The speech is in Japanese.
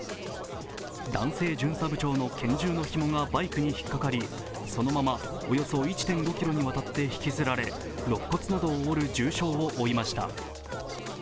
男性巡査部長の拳銃のひもがバイクに引っかかり、そのままおよそ１．５ｋｍにわたって引きずられ、ろっ骨などを折る重傷を負いました。